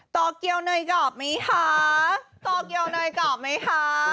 ต่อเกลียวเนยกรอบมั้ยคะต่อเกลียวเนยกรอบมั้ยคะ